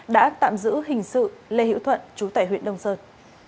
đã tạm giữ hình sự lê hiễu thuận trú tại huyện đông sơn